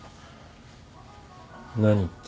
何って？